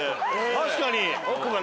確かに。